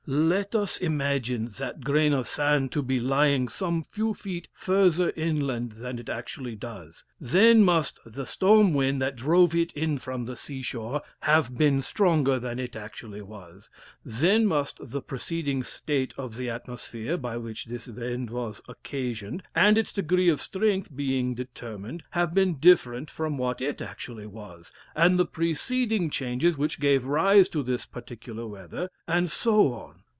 Let us imagine that grain of sand to be lying some few feet further inland than it actually does; then must the storm wind that drove it in from the sea shore have been stronger than it actually was; then must the preceding state of the atmosphere, by which this wind was occasioned, and its degree of strength being determined, have been different from what it actually was, and the preceding changes which gave rise to this particular weather, and so on.